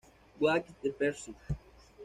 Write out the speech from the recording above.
What's the Pressure?